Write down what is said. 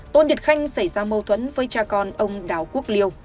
tôn điệp khanh xảy ra mâu thuẫn với cha con ông đào quốc liêu